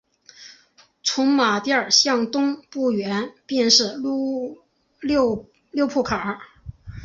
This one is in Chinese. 从马甸向东不远便是六铺炕。